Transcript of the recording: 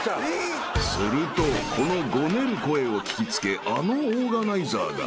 ［するとこのごねる声を聞き付けあのオーガナイザーが］